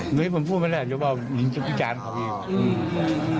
หนูให้ผมพูดไม่ได้อย่างเงินจุภิการของมีน